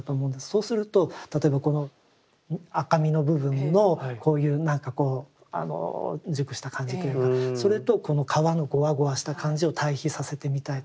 そうすると例えばこの赤身の部分のこういう何かこう熟した感じというかそれとこの皮のゴワゴワした感じを対比させてみたりとか